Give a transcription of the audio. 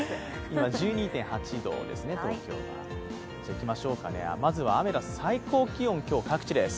今、１２．８度ですね、東京は。まずはアメダス、最高気温、今日、各地です。